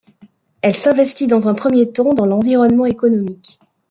Elle s’investit dans un premier temps dans l’environnement économique.